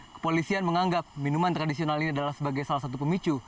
kepolisian menganggap minuman tradisional ini adalah sebagai salah satu pemicu